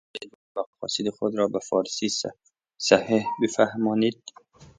آیامیتوانید مقاصد خود را بفارسی صحیح بفهمانید